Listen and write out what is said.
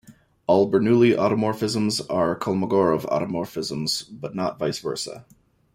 All Bernoulli automorphisms are Kolmogorov automorphisms but not "vice versa".